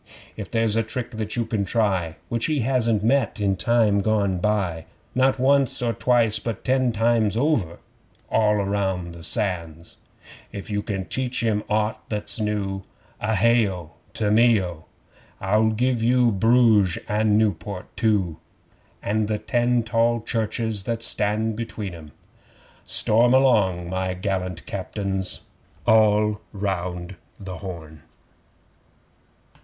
'If there's a trick that you can try Which he hasn't met in time gone by, Not once or twice, but ten times over; (All round the Sands!) 'If you can teach him aught that's new, (A hay O! To me O!) I'll give you Bruges and Niewport too, And the ten tall churches that stand between 'em.' Storm along, my gallant Captains! (All round the Horn!)